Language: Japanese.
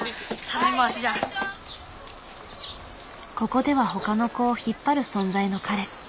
ここでは他の子を引っ張る存在の彼。